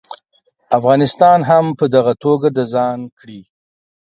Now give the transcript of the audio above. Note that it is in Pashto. افغانستان هم په دغه توګه د ځان کړي.